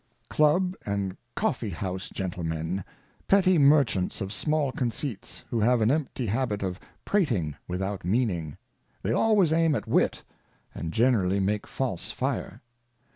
Club and Coffee house Gentlemen, Petty Merchants of small Conceits, who have an Empty habit of prating without meaning ; They always aim at Wit and generally make false Fire.